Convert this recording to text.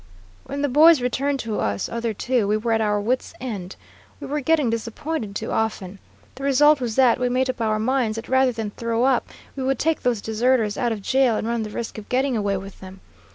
"When the boys returned to us other two, we were at our wits' end. We were getting disappointed too often. The result was that we made up our minds that rather than throw up, we would take those deserters out of jail and run the risk of getting away with them.